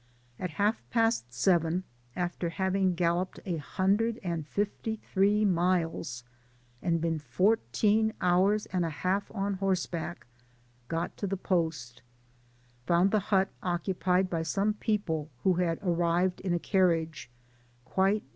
At half past seven, after having galloped a hundred and fifty three miles, and been fourteen hours and a half on horse Jback, got to the post :— ^found the hut occupied by some people who had arrived i^ a carriage— quite Digitized by LjOOQIC ^4i tUE PAMPAS.